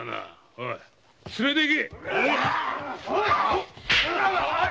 おい連れて行け。